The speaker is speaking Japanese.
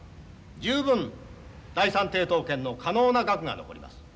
十分第三抵当権の可能な額が残ります。